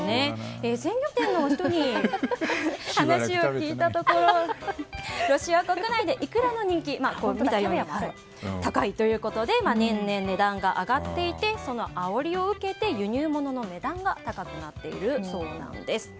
鮮魚店の方に話を聞いたところロシア国内でイクラの人気高いということで年々値段が上がっていてそのあおりを受けて輸入物の値段が値段が高くなっているそうです。